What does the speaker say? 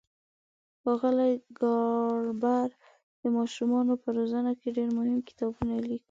ښاغلي ګاربر د ماشومانو په روزنه کې ډېر مهم کتابونه لیکلي.